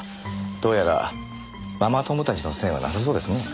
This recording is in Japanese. どうやらママ友たちの線はなさそうですね。